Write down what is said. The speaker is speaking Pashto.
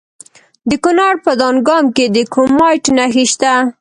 د کونړ په دانګام کې د کرومایټ نښې شته.